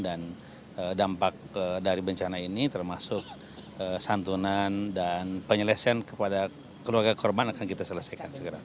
dan dampak dari bencana ini termasuk santunan dan penyelesaian kepada keluarga korban akan kita selesaikan